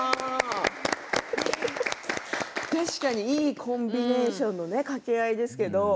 確かにいいコンビネーションで掛け合いしていますね。